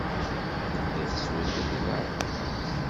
Tella tetturar deg beṛṛa.